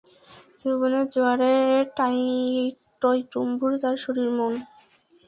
যৌবনের জোয়ারে টইটম্বুর তার শরীর-মন।